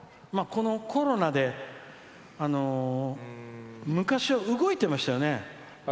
このコロナで昔は動いてましたよね。